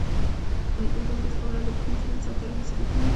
د اودس کول او د مخ مینځل انسان ته روحي سکون ورکوي.